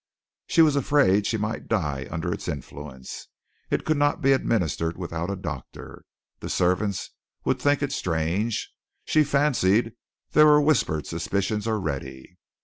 She was afraid she might die under its influence. It could not be administered without a doctor. The servants would think it strange. She fancied there were whispered suspicions already.